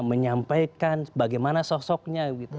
menyampaikan bagaimana sosoknya